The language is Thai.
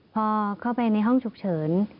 พอเข้าไปในห้องฉุกเฉิน